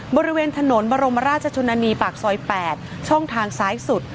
บริเวณถนนบรมราชชนนานีปากซอย๘ช่องทางซ้ายสุด